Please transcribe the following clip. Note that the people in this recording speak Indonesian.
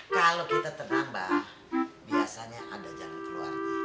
kalau kita tenang mbak biasanya ada jalan keluarnya